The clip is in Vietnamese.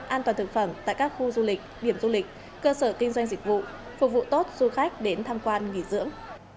an toàn thực phẩm tại các khu du lịch điểm du lịch cơ sở kinh doanh dịch vụ phục vụ tốt du khách đến tham quan nghỉ dưỡng